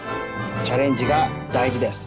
チャレンジがだいじです。